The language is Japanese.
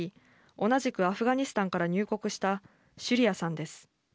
同じくアフガニスタンから入国したシュリアさんです。